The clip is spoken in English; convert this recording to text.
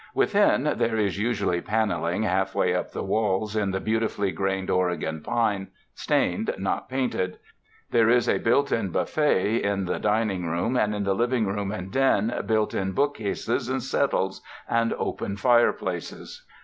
Within there is usually paneling half way up the walls in the beautifully grained Oregon pine, stained, not painted; there is a built in buffet in the dining room, and in the living room and den built in book cases and settles, and open fireplaces.